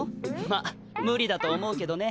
まっむりだと思うけどね。